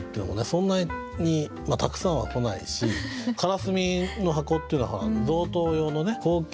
そんなにたくさんは来ないしからすみの箱っていうのは贈答用の高級な。